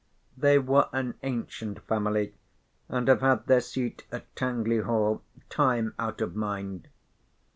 They were an ancient family, and have had their seat at Tangley Hall time out of mind.